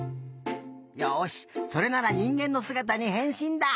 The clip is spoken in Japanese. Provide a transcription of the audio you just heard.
よしそれならにんげんのすがたにへんしんだ！